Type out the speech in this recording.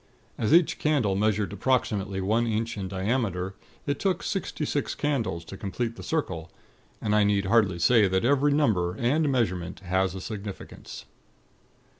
As each candle measured approximately one inch in diameter, it took sixty six candles to complete the circle; and I need hardly say that every number and measurement has a significance.